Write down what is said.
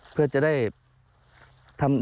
เพื่อจะได้ทำ